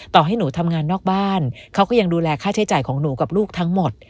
ต่อให้หนูทำงานนอกบ้านเขาก็ยังดูแลค่าใช้จ่ายของหนูกับลูกทั้งหมด